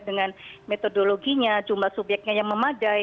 dengan metodologinya jumlah subyeknya yang memadai